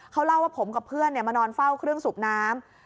เขาเล่าว่าผมกับเพื่อนมานอนเฝ้าเครื่องสูบน้ำ